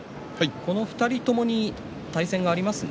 この２人、ともに対戦がありますね。